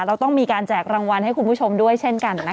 เราต้องมีการแจกรางวัลให้คุณผู้ชมด้วยเช่นกันนะคะ